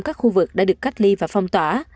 các khu vực đã được cách ly và phong tỏa